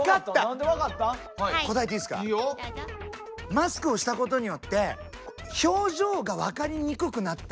マスクをしたことによって表情が分かりにくくなった。